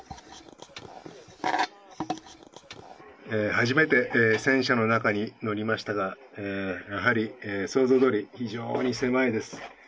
初めて戦車の中に乗りましたが、やはり想像どおり、非常に狭いです。